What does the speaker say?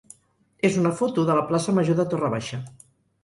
és una foto de la plaça major de Torre Baixa.